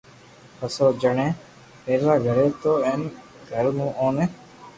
پسي او جڻي پينوا گيو تو تين گھرو مون اوني